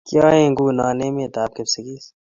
Kiyaenguno emet ab Kipsigis